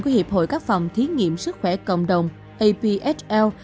của hiệp hội các phòng thí nghiệm sức khỏe cộng đồng apsl